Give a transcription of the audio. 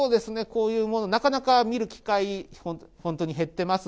こういうもの、なかなか見る機会、本当に減ってます。